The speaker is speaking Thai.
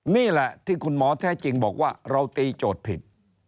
นี่แหละที่คุณหมอแท้จริงบอกว่าเราตีโจทย์ผิด